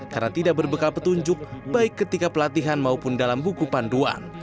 karena tidak berbekal petunjuk baik ketika pelatihan maupun dalam buku panduan